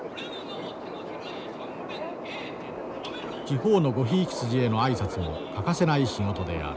地方のごひいき筋への挨拶も欠かせない仕事である。